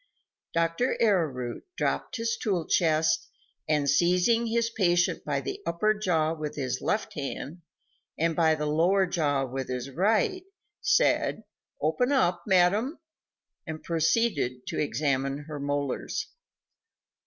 Dr. Arrowroot dropped his toolchest and seizing his patient by the upper jaw with his left hand and by the lower jaw with his right, said: "Open up, madam," and proceeded to examine her molars.